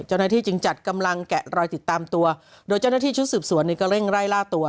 เจ้าหน้าที่จึงจัดกำลังแกะรอยติดตามตัวโดยเจ้าหน้าที่ชุดสืบสวนเนี่ยก็เร่งไล่ล่าตัว